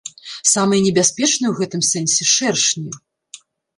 Самыя небяспечныя ў гэтым сэнсе шэршні.